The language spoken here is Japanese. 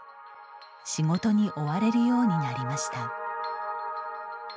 仕事に追われるようになりました。